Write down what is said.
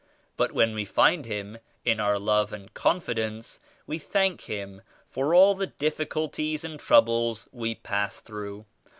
But when we find Him, in our love and confidence we thank Him for all the difficulties and troubles we pass through.